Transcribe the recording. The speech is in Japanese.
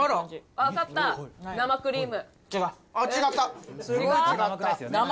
分かった、生クリーム。